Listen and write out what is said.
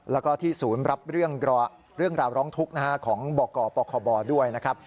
แล้วก็ที่ศูนย์รับเรื่องราวร้องทุกข์ของบกปคบด้วยนะครับ